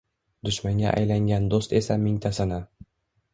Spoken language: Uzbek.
Dushmanga aylangan do’st esa mingtasini.